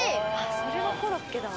それはコロッケだ。